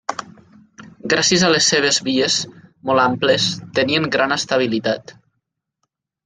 Gràcies a les seves vies, molt amples, tenien gran estabilitat.